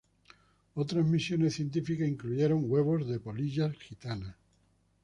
Otras misiones científicas incluyeron huevos de polillas gitanas.